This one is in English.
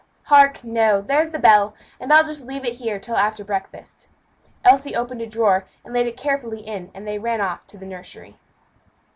Hark! no, there's the bell, and I'll just leave it here until after breakfast." Elsie opened a drawer and laid it carefully in, and they ran off to the nursery.